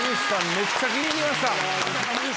めっちゃ気に入りました！